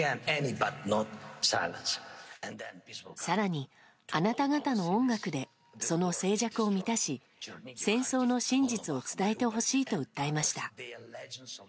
更に、あなた方の音楽でその静寂を満たし戦争の真実を伝えてほしいと訴えました。